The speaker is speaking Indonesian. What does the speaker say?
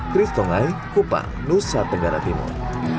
kristongai kupang nusa tenggara timur